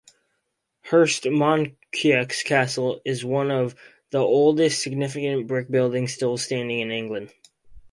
Herstmonceux Castle is one of the oldest significant brick buildings still standing in England.